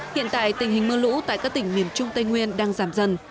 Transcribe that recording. hiện tại tình hình mưa lũ tại các tỉnh miền trung tây nguyên đang giảm dần